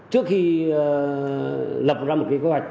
trước khi lập ra một kế hoạch